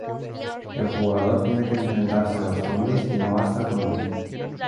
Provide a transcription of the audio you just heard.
El jugador tiene que enfrentarse a los zombis y no basta con huir.